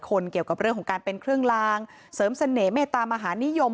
เกี่ยวกับเรื่องของการเป็นเครื่องลางเสริมเสน่ห์เมตามหานิยม